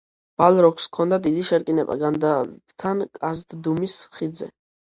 ბალროგს ჰქონდა დიდი შერკინება განდალფთან, კჰაზად-დუმის ხიდზე.